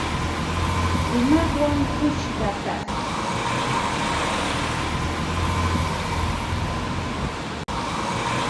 Rimaqwan kuska kaq